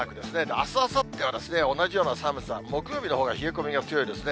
あす、あさっては同じような寒さ、木曜日のほうが冷え込みが強いですね。